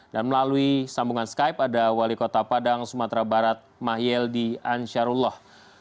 dan melalui sambungan skype ada wali kota padang sumatera barat mahyel d ansarullah